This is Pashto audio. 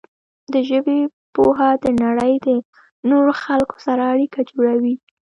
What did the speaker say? د ژبې پوهه د نړۍ د نورو خلکو سره اړیکه جوړوي.